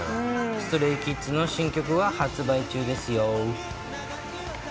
ＳｔｒａｙＫｉｄｓの新曲は発売中ですよ。